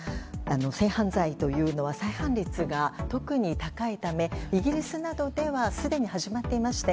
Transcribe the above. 性犯罪というのは再犯率が特に高いためイギリスなどではすでに始まっていまして